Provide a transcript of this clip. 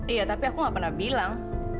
iya tapi aku gak pernah bilang